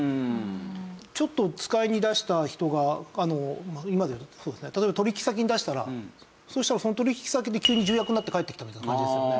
ちょっと使いに出した人が今で言うと例えば取引先に出したらそしたらその取引先で急に重役になって帰ってきたみたいな感じですよね。